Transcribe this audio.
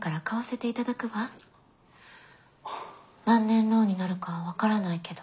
何年ローンになるか分からないけど。